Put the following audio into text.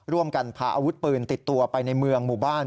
พาอาวุธปืนติดตัวไปในเมืองหมู่บ้าน